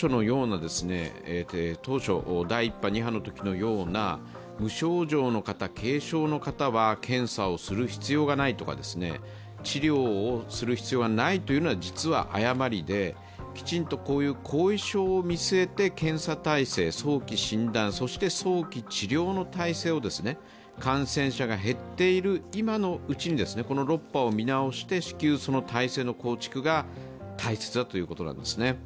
当初、第１波、２波のときのような無症状の方、軽症の方は検査をする必要がないとか、治療をする必要がないというのは実は誤りで、きちんとこうした後遺症を見据えて検査態勢、早期診断そして早期治療の体制を感染者が減っている今のうちに、この６波を見直して至急、その体制の構築が大切だということなんですね。